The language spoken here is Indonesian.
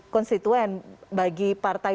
konstituen bagi partai